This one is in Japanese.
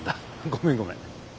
ごめんごめん。